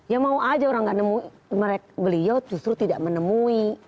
ya mau saja orang tidak menemui beliau justru tidak menemui